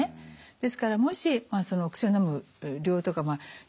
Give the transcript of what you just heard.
ですからもしお薬をのむ量とか日数ですね